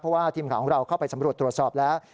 เพราะว่าทีมข่าวของเราเข้าไปสำรวจตรวจสอบแล้ว